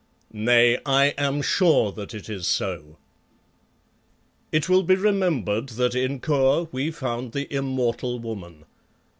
Nay, I am sure that it is so. It will be remembered that in Kôr we found the immortal woman.